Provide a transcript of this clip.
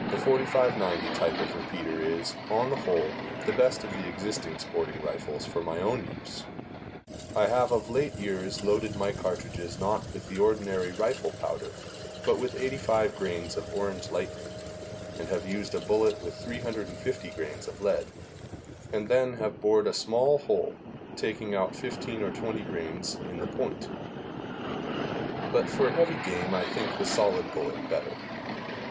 45 90 type of repeater is, on the whole, the best of the existing sporting rifles for my own use. I have of late years loaded my cartridges not with the ordinary rifle powder, but with 85 grains of Orange lightning, and have used a bullet with 350 grains of lead, and then have bored a small hole, taking out 15 or 20 grains, in the point; but for heavy game I think the solid bullet better.